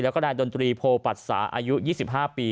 แล้วก็นายดนตรีโพปัตสาอายุ๒๕ปี